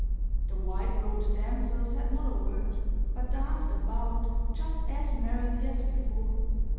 The white robed damsel said not a word, but danced about, just as merrily as before.